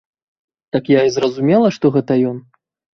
Так я і зразумела, што гэта ён.